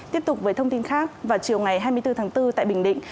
tiếp tục với thông tin khác vào chiều ngày hai mươi bốn tháng bốn tại bình định